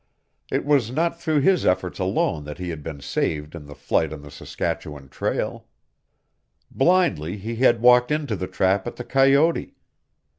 It was not through his efforts alone that he had been saved in the fight on the Saskatchewan trail. Blindly he had walked into the trap at the coyote.